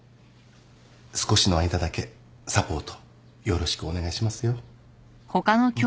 少しの間だけサポートよろしくお願いしますよ。